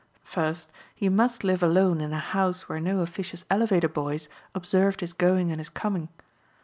First, he must live alone in a house where no officious elevator boys observed his going and his coming.